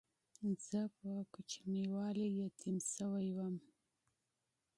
زه په وړکتوب کې یتیم شوی وم.